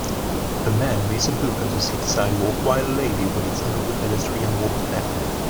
A man reads a book on a city sidewalk while a lady waits and other pedestrians walk past